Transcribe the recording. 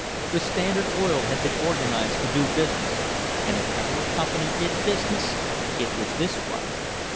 The Standard Oil Company had been organised to do business, and if ever a company did business it was this one.